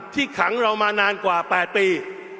ขังเรามานานกว่า๘ปี